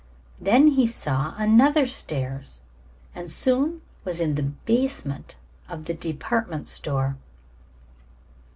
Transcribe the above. Then he saw another stairs, and soon was in the basement of the department store.